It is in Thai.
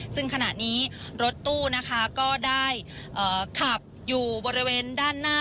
ซึ่งขณะนี้รถตู้นะคะก็ได้ขับอยู่บริเวณด้านหน้า